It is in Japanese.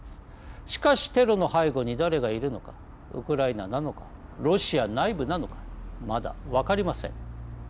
しかしテロの背後に誰がいるのかウクライナなのかロシア内部なのかまだ分かりません。